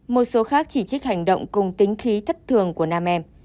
một số khác chỉ trích hành động cùng tính khí thất thường của nam em